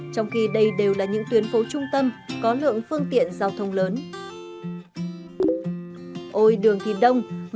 trong khi đây đều là những tuyến phố đi bộ